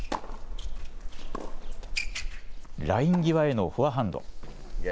ライン際へのフォアハンド。